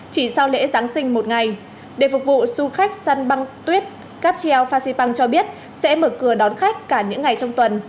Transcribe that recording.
chỉ sau lễ giáng sinh một ngày để phục vụ du khách săn băng tuyết cáp treo fasipang cho biết sẽ mở cửa đón khách cả những ngày trong tuần